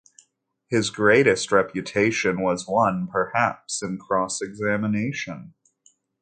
His greatest reputation was won perhaps in cross-examination.